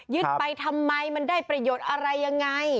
ไปทำไมมันได้ประโยชน์อะไรยังไง